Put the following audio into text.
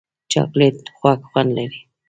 چاکلېټ خوږ خوند لري.